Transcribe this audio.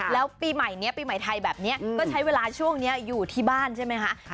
แล้วปีใหม่นี้ปีใหม่ไทยแบบนี้ก็ใช้เวลาช่วงนี้อยู่ที่บ้านใช่ไหมคะ